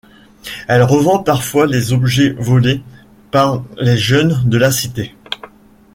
Elle revend parfois des objets volés par les jeunes de la cité.